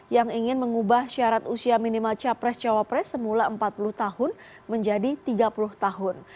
yang ingin mengubah syarat usia minimal capres cawapres semula empat puluh tahun menjadi tiga puluh tahun